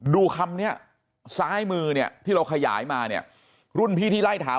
ดูคำเนี้ยซ้ายมือเนี่ยที่เราขยายมาเนี่ยรุ่นพี่ที่ไล่ถาม